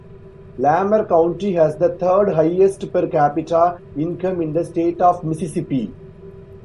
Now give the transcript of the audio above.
Lamar County has the third highest per capita income in the State of Mississippi.